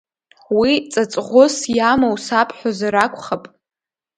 Уи ҵаҵӷәыс иамоу сабҳәозар акәхап?